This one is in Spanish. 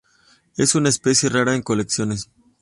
Es una especie rara en colecciones.